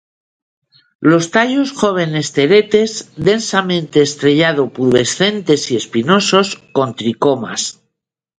Los tallos jóvenes teretes, densamente estrellado-pubescentes y espinosos, con tricomas.